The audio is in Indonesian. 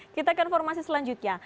kita akan informasi selanjutnya